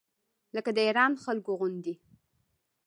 لکه د ایران خلکو غوندې.